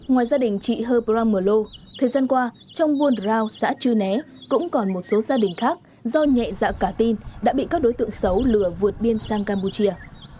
ngoài gia đình chị hơ pram mờ lô thời gian qua trong buôn dro xã chư né cũng còn một số gia đình khác do nhẹ dạ cả tin đã bị các đối tượng xấu lừa vượt biên sang campuchia